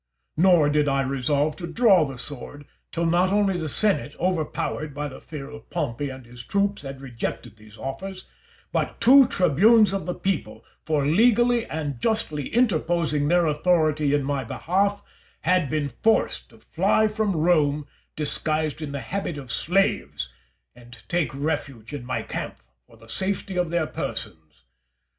Nor did I resolve to draw the sword till not only the senate, overpowered by the fear of Pompey and his troops, had rejected these offers, but two tribunes of the people, for legally and justly interposing their authority in my behalf, had been forced to fly from Rome disguised in the habit of slaves, and take refuge in my camp for the safety of their persons.